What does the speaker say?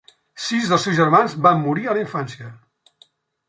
Sis dels seus germans van morir a la infància.